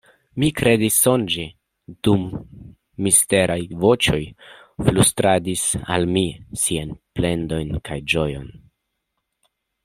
Mi kredis sonĝi, dum misteraj voĉoj flustradis al mi siajn plendojn kaj ĝojon.